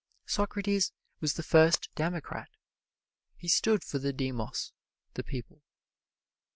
Socrates was the first Democrat: he stood for the demos the people.